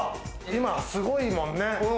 今すごいもんね。